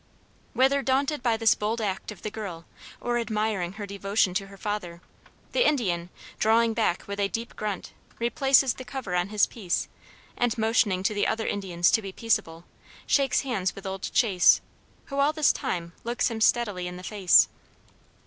Whether daunted by this bold act of the girl, or admiring her devotion to her father, the Indian, drawing back with a deep grunt, replaces the cover on his piece and motioning to the other Indians to be peaceable, shakes hands with old Chase, who all this time looks him steadily in the face.